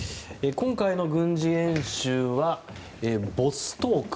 今回の軍事演習はボストーク